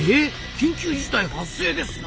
緊急事態発生ですな。